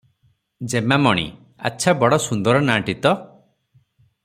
"ଯେମାମଣି! ଆଚ୍ଛା ବଡ ସୁନ୍ଦର ନାଁ ଟି ତ?